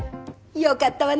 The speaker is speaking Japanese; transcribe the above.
よかったわね。